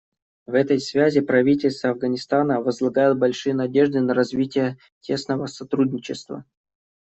В этой связи правительство Афганистана возлагает большие надежды на развитие тесного сотрудничества.